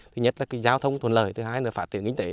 thứ nhất là giao thông thuận lợi thứ hai là phát triển kinh tế